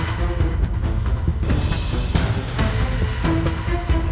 kalau gue nyari kalung gue sekarang